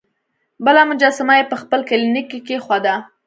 بله مجسمه یې په خپل کلینیک کې کیښوده.